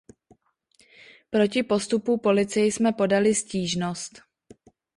Proti postupu policie jsme podali stížnost.